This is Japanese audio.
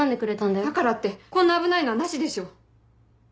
だからってこんな危ないのはなしでしょ。